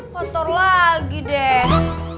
kotor lagii deh